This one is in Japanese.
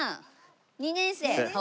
２年生。